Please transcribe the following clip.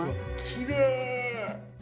きれい！